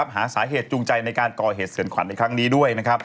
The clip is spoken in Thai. หาสาเหตุจูงใจในการก่อเหตุเสนขวัญในครั้งนี้ด้วย